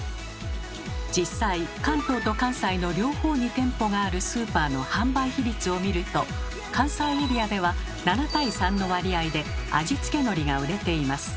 実際関東と関西の両方に店舗があるスーパーの販売比率を見ると関西エリアでは７対３の割合で味付けのりが売れています。